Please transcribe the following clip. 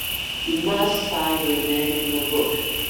You must sign your name in a book.